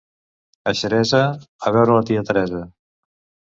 A Xeresa, a veure la tia Teresa.